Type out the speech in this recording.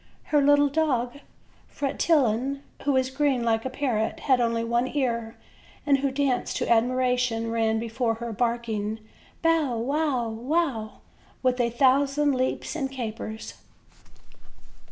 Her little dog, Fretillon, who was green like a parrot, had only one ear, and who danced to admiration, ran before her barking "bow, Wow, wow," with a thousand leaps and capers.